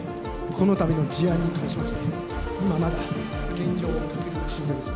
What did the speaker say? このたびの事案に関しまして今まだ現状を確認中です